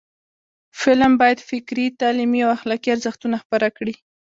فلم باید فکري، تعلیمي او اخلاقی ارزښتونه خپاره کړي